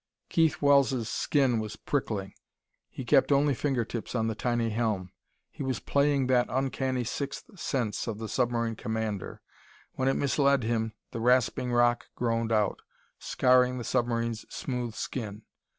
Keith Wells' skin was prickling. He kept only fingertips on the tiny helm: he was playing that uncanny sixth sense of the submarine commander. When it misled him, the rasping rock groaned out, scarring the submarine's smooth skin.